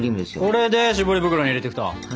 これでしぼり袋に入れていくと！